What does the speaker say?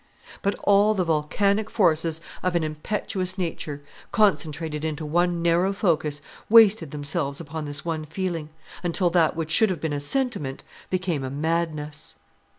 But all the volcanic forces of an impetuous nature, concentrated into one narrow focus, wasted themselves upon this one feeling, until that which should have been a sentiment became a madness.